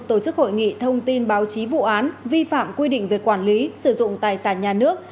tổ chức hội nghị thông tin báo chí vụ án vi phạm quy định về quản lý sử dụng tài sản nhà nước